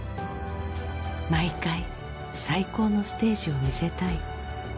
毎回最高のステージを見せたい。